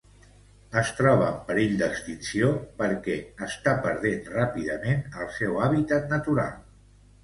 Es troba en perill d'extinció perquè està perdent ràpidament el seu hàbitat natural.